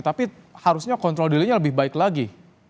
tapi harusnya kontrol dirinya lebih baik lagi